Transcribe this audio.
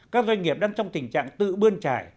các doanh nghiệp đang trong tình trạng tự bươn trải